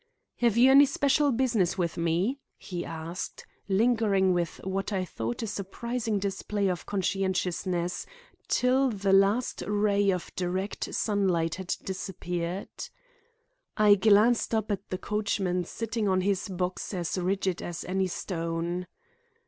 "Have you any special business with me?" he asked, lingering with what I thought a surprising display of conscientiousness till the last ray of direct sunlight had disappeared. I glanced up at the coachman sitting on his box as rigid as any stone.